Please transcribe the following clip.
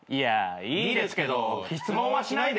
いいですけど詰問はしないでよ。